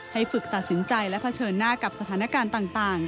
ฝึกตัดสินใจและเผชิญหน้ากับสถานการณ์ต่าง